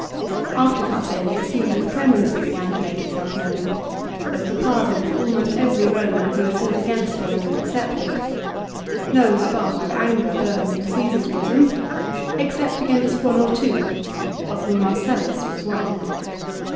After Pharsalia Caesar's clemency began to make itself known. There was a pardon for almost every Boman' who had fought against him and would accept it. No spark of anger burned in Caesar's bosom, except against one or two, of whom Marcellus was one.